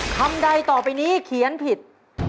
คำใดต่อไปนี้เขียนผิด